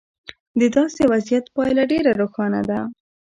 د داسې وضعیت پایله ډېره روښانه ده.